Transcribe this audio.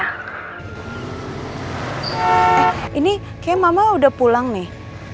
nah ini kayaknya mama udah pulang nih